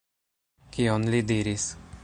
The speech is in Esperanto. Kion li diris?